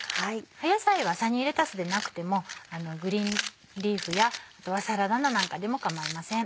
野菜はサニーレタスでなくてもグリーンリーフやあとはサラダ菜なんかでも構いません。